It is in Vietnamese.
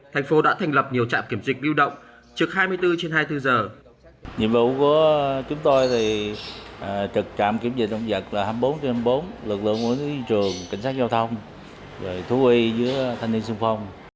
thành phố đã thành lập nhiều trạm kiểm dịch biêu động trực hai mươi bốn trên hai mươi bốn giờ